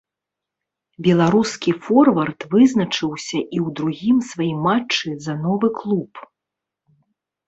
Беларускі форвард вызначыўся і ў другім сваім матчы за новы клуб.